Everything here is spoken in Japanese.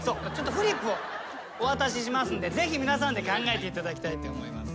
フリップをお渡ししますんでぜひ皆さんで考えていただきたいと思います。